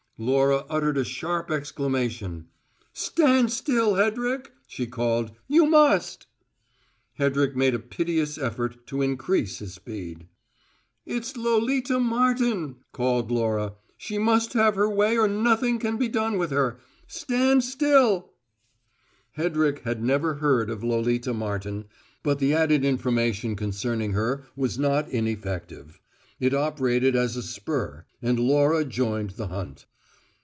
Laura uttered a sharp exclamation. "Stand still, Hedrick!" she called. "You must!" Hedrick made a piteous effort to increase his speed. "It's Lolita Martin," called Laura. "She must have her way or nothing can be done with her. Stand still!" Hedrick had never heard of Lolita Martin, but the added information concerning her was not ineffective: it operated as a spur; and Laura joined the hunt.